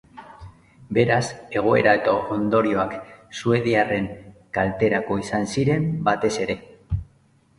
Beraz, egoera eta ondorioak suediarren kalterako izan ziren batez ere.